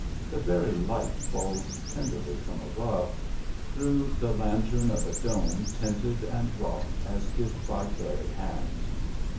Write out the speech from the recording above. The very light falls tenderly from above, through the lantern of a dome tinted and wrought as if by fairy hands.